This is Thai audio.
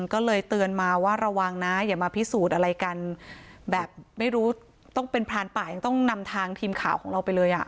ก็เลยเตือนมาว่าระวังนะอย่ามาพิสูจน์อะไรกันแบบไม่รู้ต้องเป็นพรานป่ายังต้องนำทางทีมข่าวของเราไปเลยอ่ะ